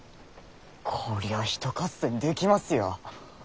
こりゃひと合戦できますよ。